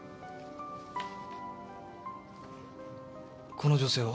この女性は？